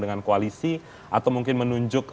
dengan koalisi atau mungkin menunjuk